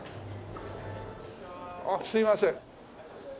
あっすいません。